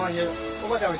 おばあちゃん